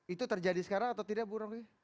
itu terjadi sekarang atau tidak bu romli